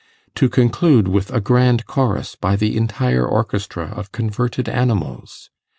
To conclude with a GRAND CHORUS by the Entire Orchestra of Converted Animals!!